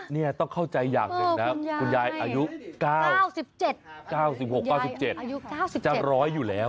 เนี่ยต้องเข้าใจอย่างหนึ่งนะคุณยายอายุ๙๗บาทจะร้อยอยู่แล้ว